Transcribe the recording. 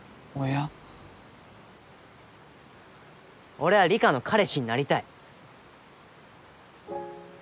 俺は梨香の彼氏になりたい。